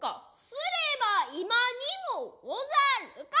すれば今にもござるか。